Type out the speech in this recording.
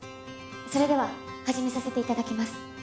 それでは始めさせていただきます